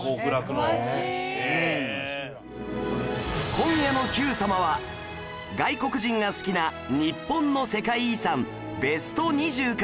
今夜の『Ｑ さま！！』は外国人が好きな日本の世界遺産ベスト２０からクイズを出題